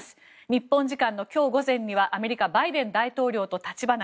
日本時間の今日午前にはアメリカ、バイデン大統領と立ち話。